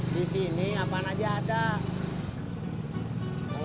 di sini kapan aja ada